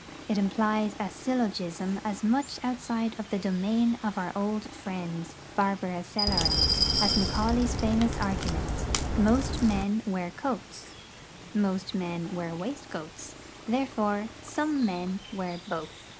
It implies a syllogism as much outside of the domain of our old friend 'Barbara celarent' as Macaulay's famous argument: Most men wear coats, Most men wear waistcoats, Therefore some men wear both.